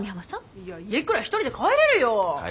いえ家くらい１人で帰れるよ。